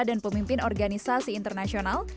dan pemimpin organisasi internasional